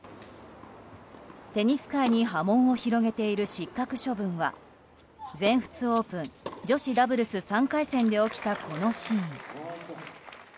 テニス界に波紋を広げている失格処分は全仏オープン女子ダブルス３回戦で起きたこのシーン。